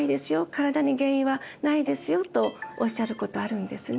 体に原因はないですよ」とおっしゃることあるんですね。